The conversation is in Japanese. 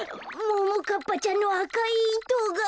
ももかっぱちゃんのあかいいとが。